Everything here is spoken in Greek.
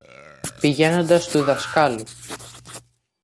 πηγαίνοντας στου δασκάλου